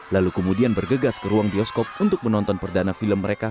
lalu kemudian bergegas ke ruang bioskop untuk menonton perdana film mereka